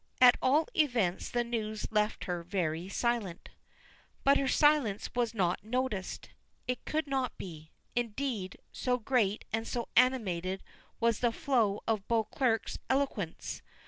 At all events the news left her very silent. But her silence was not noticed. It could not be, indeed, so great and so animated was the flow of Beauclerk's eloquence.